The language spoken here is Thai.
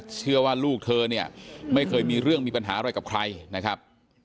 เชื่อว่าลูกเธอเนี่ยไม่เคยมีเรื่องมีปัญหาอะไรกับใครนะครับ